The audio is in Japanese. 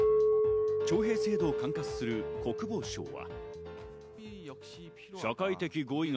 徴兵制度を管轄する国防省は。